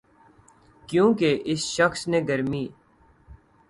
کیونکہ اس شخص نے گرمی